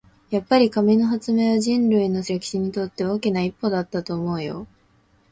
やっぱり、紙の発明は人類の歴史にとって大きな一歩だったと思うよ。